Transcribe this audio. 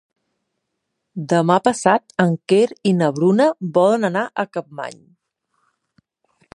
Demà passat en Quer i na Bruna volen anar a Capmany.